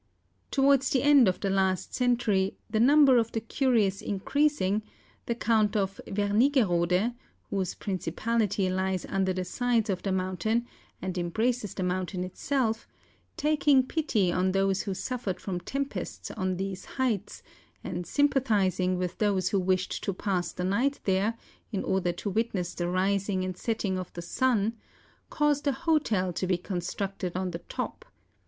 Towards the end of the last century, the number of the curious increasing, the Count of Vernigerode, whose principality lies under the sides of the mountain, and embraces the moun¬ tain itself, taking pity on those who suffered from tempests on these heights, and sympathising with those who wished to pass the night there, in order to witness the rising and setting of the sun,— caused a hotel to be constructed on the top.